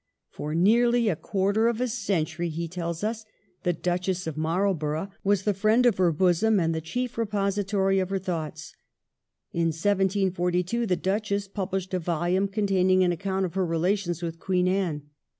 ' For nearly a quarter of a century,' he tells us, ' the Duchess of Marlborough was the friend of her bosom and the chief repository of her thoughts/ In 1742 the Duchess published a volume containing an account of her relations with Queen Anne.